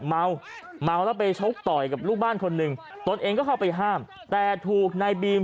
เมาเมาแล้วไปชกต่อยกับลูกบ้านคนหนึ่งตนเองก็เข้าไปห้ามแต่ถูกนายบีม